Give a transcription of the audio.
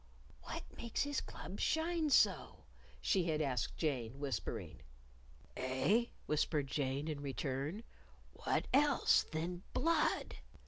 "What makes his club shine so?" she had asked Jane, whispering. "Eh?" whispered Jane in return; "what else than _blood?